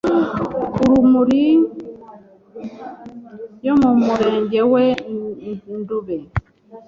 Urumuri yo mu murenge we Ndube